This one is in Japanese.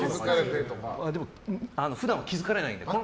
普段は気づかれないので。